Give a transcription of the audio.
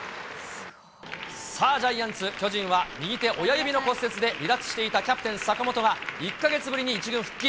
さあ、ジャイアンツ、巨人は右手親指の骨折で離脱したしていたキャプテン、坂本が１か月ぶりに１軍復帰。